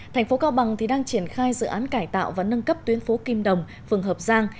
thành phố cao bằng đang triển khai dự án cải tạo và nâng cấp tuyến phố kim đồng phường hợp giang